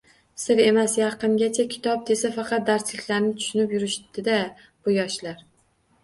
Sir emas, yaqingacha kitob desa, faqat darsliklarni tushunib yurishdi-da bu yoshlar.